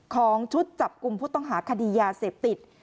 ของชุดจับกลุ่มผู้ต้องหาคดียาเสพติด